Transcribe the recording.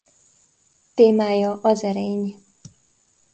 Témája az erény.